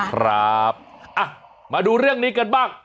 ครับมาดูเรื่องนี้กันบ้าง